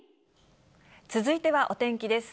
続いてはお天気です。